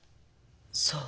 そう？